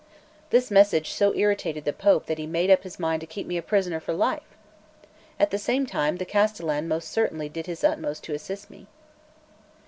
This message so irritated the Pope that he made his mind up to keep me a prisoner for life. At the same time, the castellan most certainly did his utmost to assist me.